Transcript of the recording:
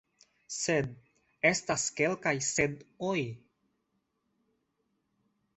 Sed – estas kelkaj sed-oj.